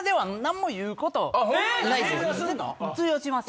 通用します。